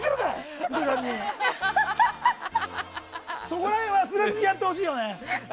そこら辺、忘れずやってほしいよね！